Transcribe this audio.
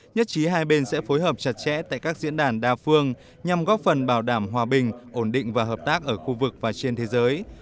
nhất trí hai bên sẽ phối hợp chặt chẽ tại các diễn đàn đa phương nhằm góp phần bảo đảm hòa bình ổn định và hợp tác ở khu vực và trên thế giới